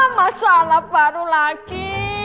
masalah baru lagi